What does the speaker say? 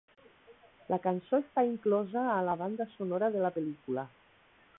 La cançó està inclosa a la banda sonora de la pel·lícula.